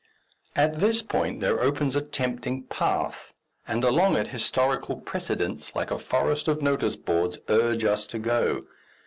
At this point there opens a tempting path, and along it historical precedents, like a forest of notice boards, urge us to go.